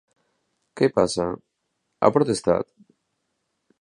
¿Què passa?, ha protestat.